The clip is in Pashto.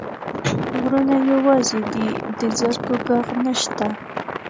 غرونه یوازي دي، د زرکو ږغ نشته